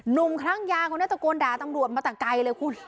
หนุ่มครั้งยางเขาเนี่ยตะโกนดาตำรวจมาต่างไกลเลยคุณ